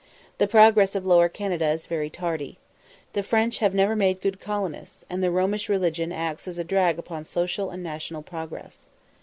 The progress of Lower Canada is very tardy. The French have never made good colonists, and the Romish religion acts as a drag upon social and national progress.